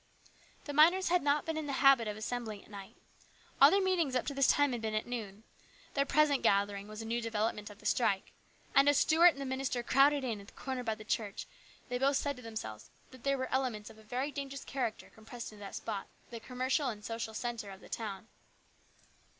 The miners had not been in the habit of assembling at night. All their meetings up to this time had been at noon. Their present gathering was a new development of the strike ; and as Stuart and the minister crowded in at the corner by the church they both said to themselves that there were elements of a very dangerous, character compressed into that spot, the commercial and social centre of the town.